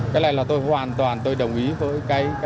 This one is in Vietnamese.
cái này là tôi hoàn toàn tôi đồng ý với cái